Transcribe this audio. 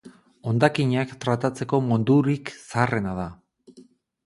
Hondakinak tratatzeko modurik zaharrena da.